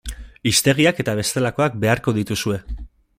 Hiztegiak eta bestelakoak beharko dituzue.